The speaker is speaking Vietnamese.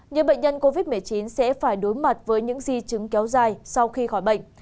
nhiều bệnh nhân covid một mươi chín sẽ phải đối mặt với những di chứng kéo dài sau khi khỏi bệnh